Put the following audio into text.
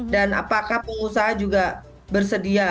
dan apakah pengusaha juga bersedia